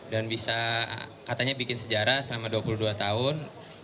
dan bisa katanya bikin sejarah selama dua puluh dua tahun